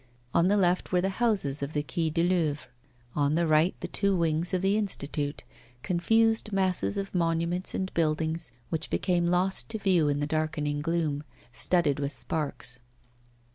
On the left were the houses of the Quai du Louvre, on the right the two wings of the Institute, confused masses of monuments and buildings, which became lost to view in the darkening gloom, studded with sparks.